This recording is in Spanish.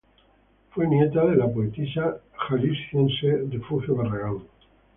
Fue nieta de la poetisa jalisciense Refugio Barragán.